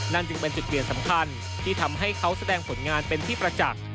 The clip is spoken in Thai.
จึงเป็นจุดเปลี่ยนสำคัญที่ทำให้เขาแสดงผลงานเป็นที่ประจักษ์